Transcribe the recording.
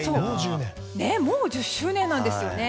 もう１０周年なんですね。